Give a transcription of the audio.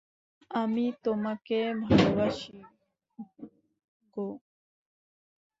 আমি তোমাকে ভালোবাসি, জো।